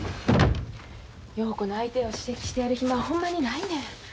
陽子の相手をしてやる暇はほんまにないねん。